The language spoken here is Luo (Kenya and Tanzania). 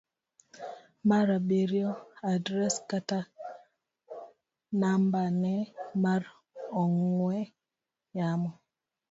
mar abiriyo. Adres kata nambane mar ong'we yamo